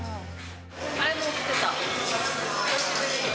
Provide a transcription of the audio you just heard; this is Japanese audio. あれ、もう来てた？